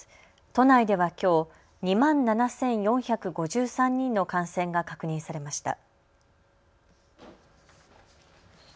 都内ではきょう２万７４５３人の感染が確認されました。